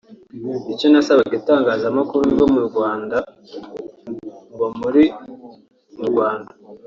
Icyo nasabaga itangazamakuru ryo mu Rwanda muba muri mu Rwanda